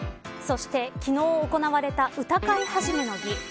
そして、昨日行われた歌会始の儀。